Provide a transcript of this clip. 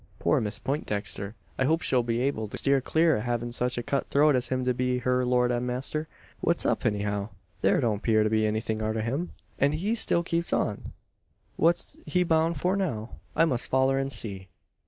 Poor Miss Peintdexter! I hope she'll be able to steer clur o' havin' sech a cut throat as him to be her lord an master. "What's up anyhow? Thar don't 'pear to be anythin' arter him? An' he still keeps on! Whar's he boun' for now? I must foller an see.